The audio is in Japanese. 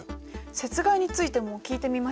雪害についても聞いてみましょうか。